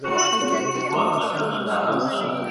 هغه ټولنه چي ډيموکراسي پکښې وي ډېر ژر پرمختګ کوي.